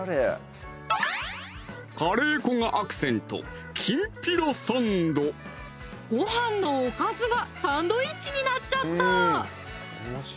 カレー粉がアクセントごはんのおかずがサンドイッチになっちゃった！